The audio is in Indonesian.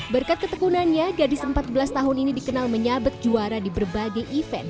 berkat ketekunannya gadis empat belas tahun ini dikenal menyabet juara di berbagai event